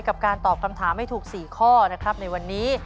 กับการตอบคำถามให้ถูก๔ข้อนะครับในวันนี้